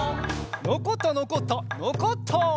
「のこったのこったのこった」